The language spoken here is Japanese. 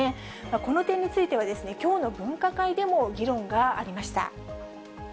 この点については、きょうの分科会でも議論がありました。